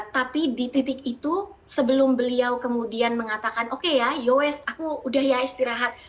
tapi di titik itu sebelum beliau kemudian mengatakan oke ya yowes aku udah ya istirahat